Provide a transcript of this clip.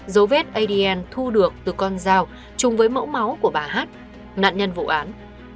dấu vết adn thu được từ con dao chung với mẫu máu của bà hát nạn nhân vụ án